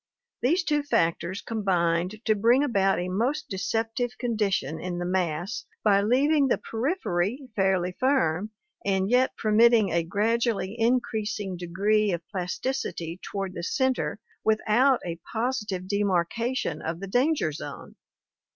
These two factors combined to bring about a most deceptive condition in the mass by leaving the periphery fairly firm and yet permitting a gradually increasing degree of plasticity toward the center with out a positive demarcation of the danger zone.